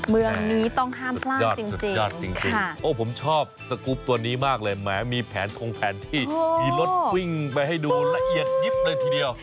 เมืองนี้ต้องห้ามพลาดจริงผมชอบสกรูปตัวนี้มากเลยแม้มีแผนคงแผนที่มีรถวิ่งไปให้ดูละเอียดนิดหน่อยทีเดียว